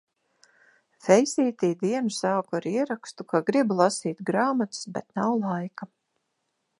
Feisītī dienu sāku ar ierakstu, ka gribu lasīt grāmatas, bet nav laika.